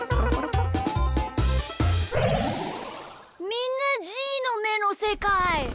みんなじーのめのせかい。